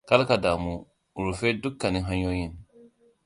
Kar ka damu, rufe dukkanin hanyoyin.